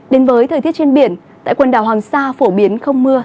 đến với thời tiết trên biển tại quần đảo hoàng sa phổ biến không mưa